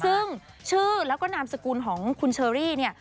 ซึ่งชื่อแล้วก็นามสกุลของคุณเชอรี่เนี่ย